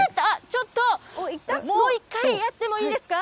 ちょっと、もう一回やってもいいですか。